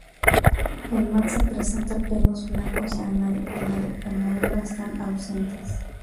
El macho presenta pelos blancos en el área anal, en la hembra están ausentes.